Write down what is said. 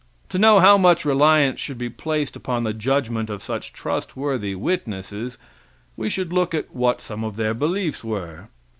To know how much reliance should be placed upon the judgment of such trustworthy witnesses, we should look at what some of their beliefs were.